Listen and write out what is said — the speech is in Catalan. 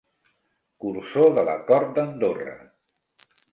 Cursor de la cort d'Andorra.